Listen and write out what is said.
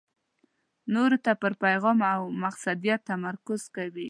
نورو ته پر پېغام او مقصدیت تمرکز کوي.